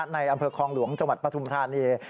ในอำเภอคลองหลวงจังหวัดปฐุมธานี